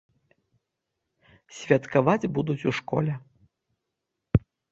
Святкаваць будуць у школе.